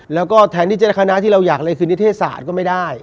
แล้วก็แทนที่จะคณะที่เราอยากเลยคือนิเทศศาสตร์ก็ไม่ได้